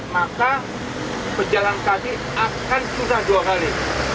maka pejalan kaki akan susah dua kali